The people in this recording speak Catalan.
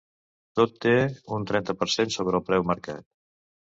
Tot té un trenta per cent sobre el preu marcat.